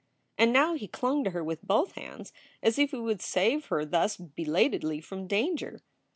And now he clung to her with both hands as if he would save her thus belatedly from danger.